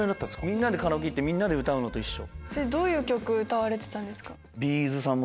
みんなでカラオケ行ってみんなで歌うのと一緒。